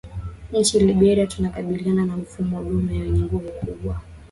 Nchini Liberia tunakabiliana na mfumo dume wenye nguvu kubwa